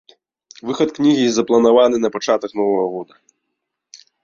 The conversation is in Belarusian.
Выхад кнігі запланаваны на пачатак новага года.